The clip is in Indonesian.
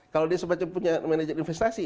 kalau dia semacam punya manajer investasi